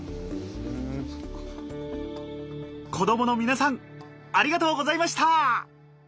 子どものみなさんありがとうございました！